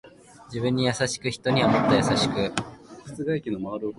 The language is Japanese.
自分に優しく人にはもっと優しく